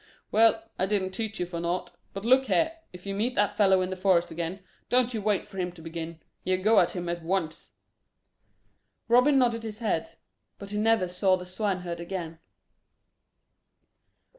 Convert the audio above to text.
Well, I didn't teach you for naught. But look here, if you meet that fellow in the forest again don't you wait for him to begin; you go at him at once." Robin nodded his head, but he never saw the swineherd again.